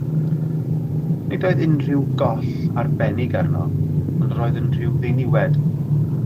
Nid oedd unrhyw goll arbennig arno, ond yr oedd yn rhyw ddiniwed.